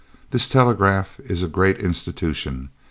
This telegraph is a great institution.